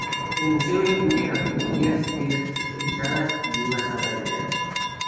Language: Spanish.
El museo incluye cafeterías, tiendas especializadas y una sala de teatro.